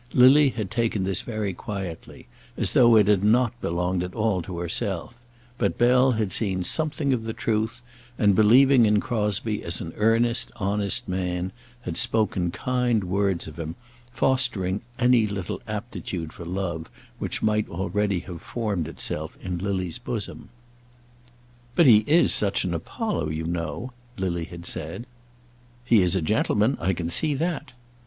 Lily had taken this very quietly, as though it had not belonged at all to herself; but Bell had seen something of the truth, and, believing in Crosbie as an earnest, honest man, had spoken kind words of him, fostering any little aptitude for love which might already have formed itself in Lily's bosom. "But he is such an Apollo, you know," Lily had said. "He is a gentleman; I can see that."